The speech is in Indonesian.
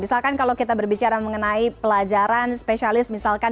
misalkan kalau kita berbicara mengenai pelajaran spesialis misalkan